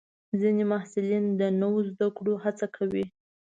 ځینې محصلین د نوو زده کړو هڅه کوي.